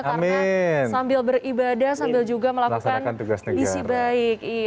karena sambil beribadah sambil juga melakukan misi baik